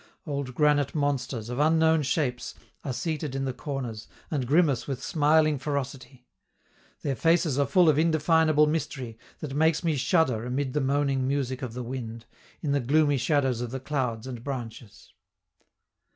Old granite monsters, of unknown shapes, are seated in the corners, and grimace with smiling ferocity: their faces are full of indefinable mystery that makes me shudder amid the moaning music of the wind, in the gloomy shadows of the clouds and branches.